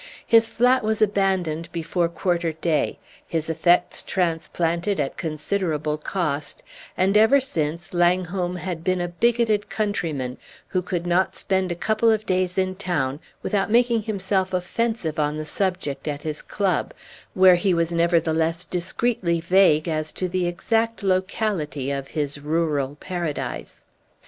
His flat was abandoned before quarter day, his effects transplanted at considerable cost, and ever since Langholm had been a bigoted countryman, who could not spend a couple of days in town without making himself offensive on the subject at his club, where he was nevertheless discreetly vague as to the exact locality of his rural paradise.